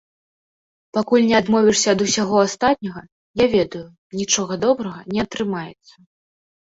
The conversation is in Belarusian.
Пакуль не адмовішся ад усяго астатняга, я ведаю, нічога добрага не атрымаецца.